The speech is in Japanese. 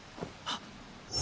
あっ！